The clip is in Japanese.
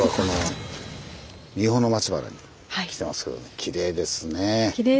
きれいですねぇ。